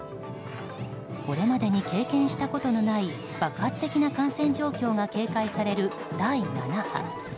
これまでに経験したことのない爆発的な感染状況が警戒される第７波。